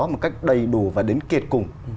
một cách đầy đủ và đến kết cùng